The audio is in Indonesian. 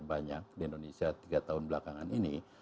banyak di indonesia tiga tahun belakangan ini